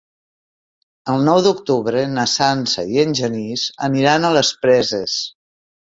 El nou d'octubre na Sança i en Genís aniran a les Preses.